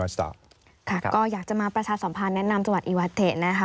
หากจะมาประชาสัมพันธ์แนะนำจังหวัดอิวาเตะ